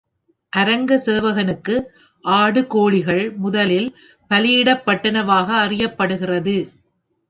அரங்க சேவகனுக்கு ஆடு, கோழிகள் முதலில் பலியிடப்பட்டனவாக அறியப்படுகிறது.